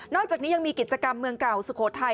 อกจากนี้ยังมีกิจกรรมเมืองเก่าสุโขทัย